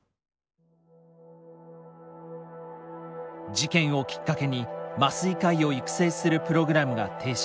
事件をきっかけに麻酔科医を育成するプログラムが停止。